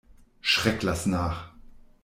Schreck lass nach!